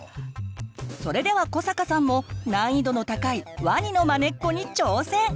それでは古坂さんも難易度の高いワニのまねっこに挑戦！